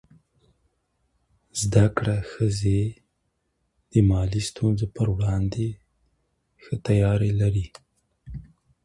زده کړه ښځه د مالي ستونزو پر وړاندې ښه تیاری لري.